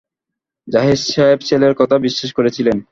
জাহিদ সাহেব ছেলের কথা বিশ্বাস করেছিলেন।